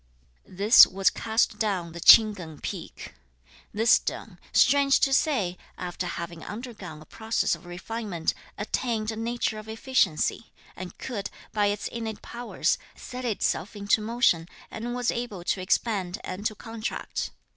This was cast down the Ch'ing Keng peak. This stone, strange to say, after having undergone a process of refinement, attained a nature of efficiency, and could, by its innate powers, set itself into motion and was able to expand and to contract.